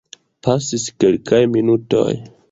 Pasis kelkaj minutoj.